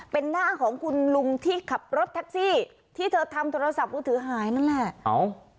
เป็นหน้าของคุณลุงที่ขับรถแท็กซี่ที่เธอทำโทรศัพท์มือถือหายนั่นแหละ